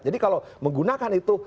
jadi kalau menggunakan itu